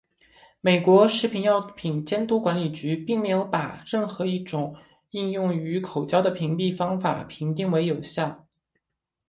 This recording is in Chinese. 美国食品药品监督管理局并没有把任何一种应用于口交的屏障方法评定为有效。